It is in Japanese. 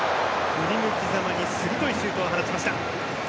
振り向きざまに鋭いシュートでした。